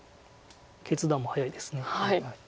決断も早いです。